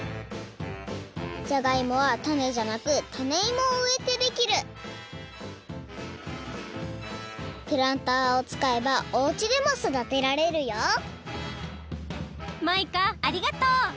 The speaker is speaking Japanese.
じゃがいもはタネじゃなくタネイモをうえてできるプランターを使えばおうちでもそだてられるよマイカありがとう！